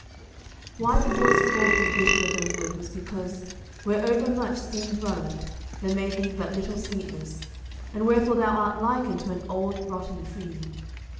"Why the voice called thee bitterer than wood was because, where overmuch sin dwelleth, there may be but little sweetness; wherefore thou art likened to an old rotten tree.